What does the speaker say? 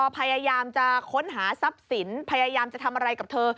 พยายามจะค้นหาทรัพย์สินพยายามจะทำอะไรกับเธอ